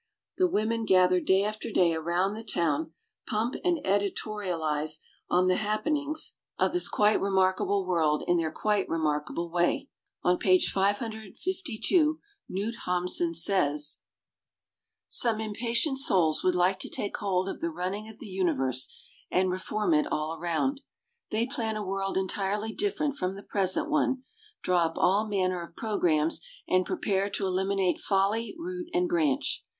The women gather day after day around the town pump and editorialize on the happen 87 88 THE BOOKMAN ings of this quite remarkable world in their quite remarkable way. On page 552 Knut Hamsun says : Some impatient souls would like to take hold of the running of the universe and reform it aU around. They plan a world entirely different from the present one, draw up aU manner of programmes, and prepare to eliminate foUy root and branch.